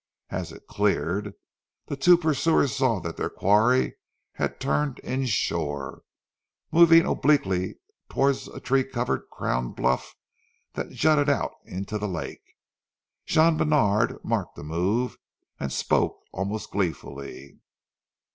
As it cleared, the two pursuers saw that their quarry had turned inshore, moving obliquely towards a tree crowned bluff that jutted out into the lake. Jean Bènard marked the move, and spoke almost gleefully.